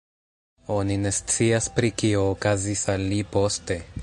Oni ne scias pri kio okazis al li poste.